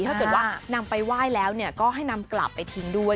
ถ้าเกิดว่านำไปไหว้แล้วก็ให้นำกลับไปทิ้งด้วย